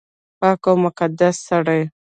پاک او مقدس سړی